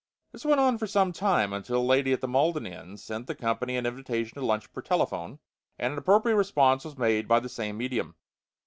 This went on for some time, until a lady at the Malden end sent the company an invitation to lunch per telephone, and an appropriate response was made by the same medium.